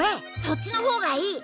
そっちの方がいい！